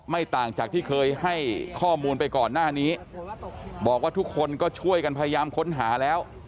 ต่างจากที่เคยให้ข้อมูลไปก่อนหน้านี้บอกว่าทุกคนก็ช่วยกันพยายามค้นหาแล้ว